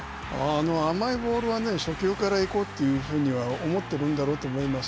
甘いボールは初球から行こうというふうには思っているんだろうと思います。